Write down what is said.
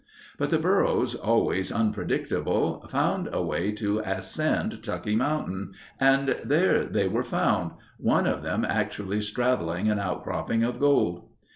But the burros, always unpredictable, found a way to ascend Tucki Mountain and there they were found—one of them actually straddling an outcropping of gold.